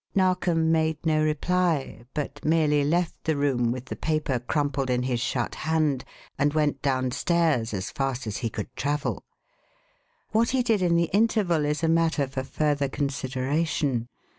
Narkom made no reply, but merely left the room with the paper crumpled in his shut hand and went downstairs as fast as he could travel. What he did in the interval is a matter for further consideration.